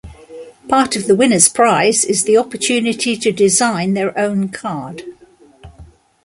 Part of the winner's prize is the opportunity to design their own card.